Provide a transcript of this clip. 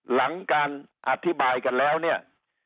หลังการอธิบายกันแล้วเนี่ย